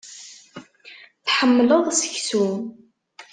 Tḥemmleḍ seksu.